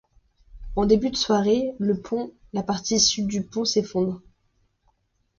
En début de soirée, le pont la partie sud du pont s'effondre.